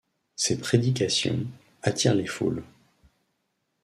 Ses prédications attirent les foules.